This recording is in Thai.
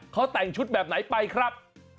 เขาแต่งชุดแบบไหนไปครับ